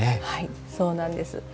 はいそうなんです。